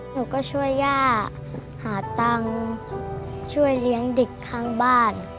หนูก็ช่วยย่าหาตังค์ช่วยเลี้ยงเด็กข้างบ้าน